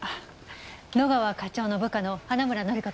野川課長の部下の花村乃里子と申します。